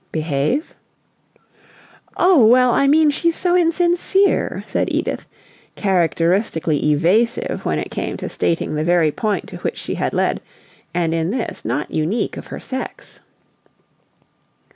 "'Behave'?" "Oh, well, I mean she's so insincere," said Edith, characteristically evasive when it came to stating the very point to which she had led, and in this not unique of her sex.